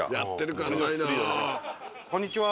こんにちは。